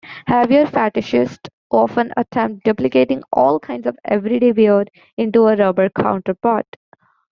Heavier fetishists often attempt duplicating all kinds of "everyday wear" into a rubber counterpart.